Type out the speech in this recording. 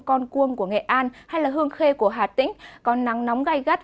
con cuông của nghệ an hay hương khê của hà tĩnh có nắng nóng gai gắt